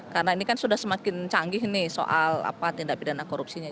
karena ini kan sudah semakin canggih nih soal tindak pidana korupsinya